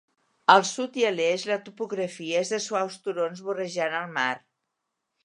Al sud i a l'est la topografia és de suaus turons vorejant el mar.